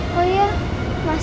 tunggu aku nyuruh perkembanganku